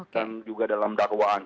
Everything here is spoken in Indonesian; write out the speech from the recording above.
dan juga dalam dakwaan